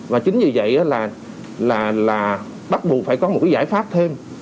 và chính vì vậy là bắt buộc phải có một cái giải pháp thêm